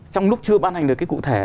trong lúc chưa ban hành được cái cụ thể